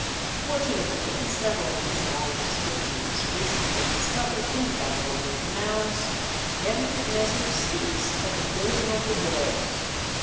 Fortunately in several of his long inscriptions, recently discovered in the Baby lonian mounds, Nebuchadnezzar speaks of the building of the walls.